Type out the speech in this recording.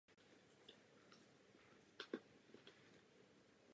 Z knihy je dost cítit polské vlastenectví někdy přecházející až v nacionalismus.